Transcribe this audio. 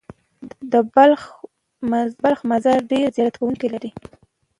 د بلخ مزار ډېر زیارت کوونکي لري.